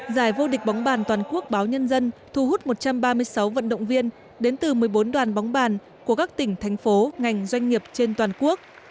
giải vô địch bóng bàn toàn quốc báo nhân dân thu hút một trăm ba mươi sáu vận động viên đến từ một mươi bốn đoàn bóng bàn của các tỉnh thành phố ngành doanh nghiệp trên toàn quốc